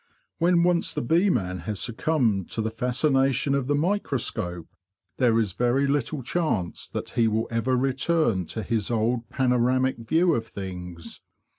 When once the bee man has succumbed to the fascination of the microscope, there is very little chance that he will ever return to his old panoramic view of things.